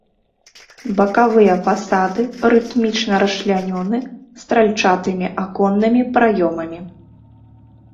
Бакавыя фасады рытмічна расчлянёны стральчатымі аконнымі праёмамі.